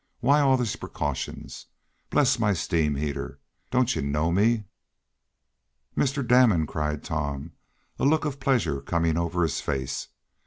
Why all these precautions? Bless my steam heater! Don't you know me?" "Mr. Damon!" cried Tom, a look of pleasure coming over his face. "Mr.